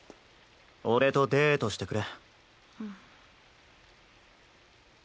俺とデートしてくれ。